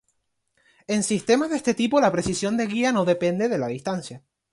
En sistemas de este tipo la precisión de guía no depende de la distancia.